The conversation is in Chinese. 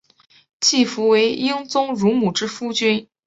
季福为英宗乳母之夫君。